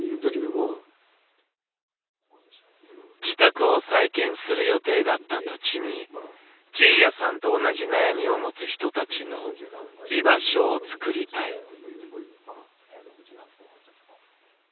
自宅を再建する予定だった土地に仁也さんと同じ悩みを持つ人たちの「居場所」をつくりたい。